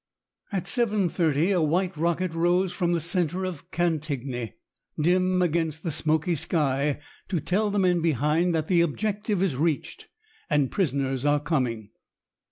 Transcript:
At 7.30 a white rocket rose from the centre of Cantigny, dim against the smoky sky, to tell the men behind that "the objective is reached and prisoners are coming."